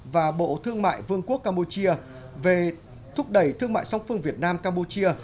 và bộ thương mại vương quốc campuchia về thúc đẩy thương mại song phương việt nam campuchia